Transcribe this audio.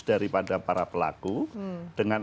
daripada para pelaku dengan